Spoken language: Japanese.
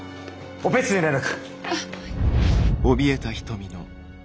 オペ室に連絡。